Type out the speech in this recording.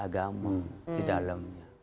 agama di dalamnya